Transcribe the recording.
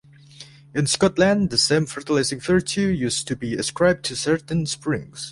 In Scotland, the same fertilizing virtue used to be ascribed to certain springs.